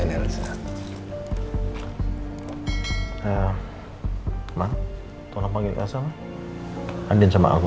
andi sama al dateng katanya mau ketemu sama kamu